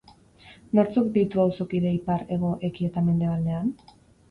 Nortzuk ditu auzokide ipar, hego, eki eta mendebaldean?